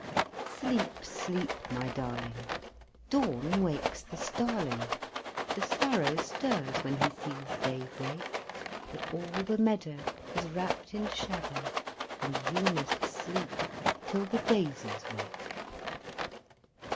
Sleep, sleep, my darling, Dawn wakes the starling, The sparrow stirs when he sees day break; But all the meadow Is wrapped in shadow, And you must sleep till the daisies wake!